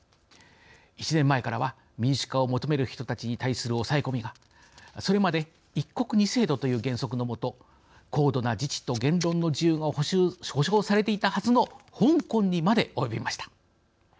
１年前からは民主化を求める人たちに対する抑え込みが、それまで１国２制度という原則のもと高度な自治と言論の自由が保障されていたはずの香港にまで及びました。